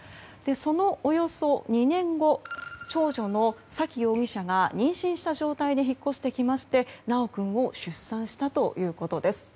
そのおよそ２年後長女の沙喜容疑者が妊娠した状態で引っ越してきまして修君を出産したということです。